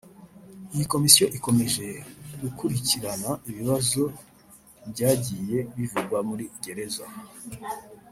Iyi komisiyo ikomeje gukukirirana ibibazo byagiye bivugwa muri gereza